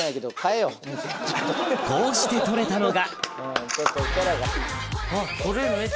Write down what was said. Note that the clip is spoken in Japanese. こうして撮れたのがあっ